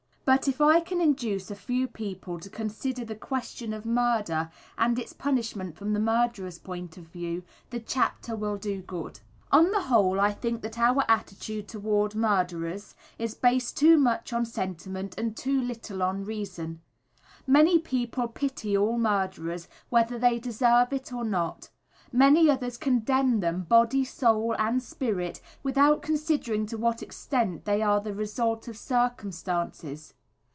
But if I can induce a few people to consider the question of murder and its punishment from the murderer's point of view, the chapter will do good. On the whole, I think that our attitude towards murderers is based too much on sentiment and too little on reason. Many people pity all murderers, whether they deserve it or not; many others condemn them body, soul and spirit, without considering to what extent they are the result of circumstances.